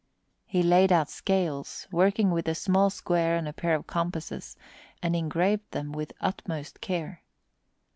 He laid out scales, working with a small square and a pair of compasses, and engraved them with utmost care.